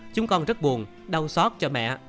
chúng con rất buồn đau xót cho mẹ